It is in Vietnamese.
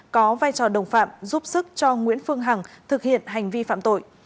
có vai trò đồng phạm giúp sức cho nguyễn phương hằng thực hiện hành vi phạm tội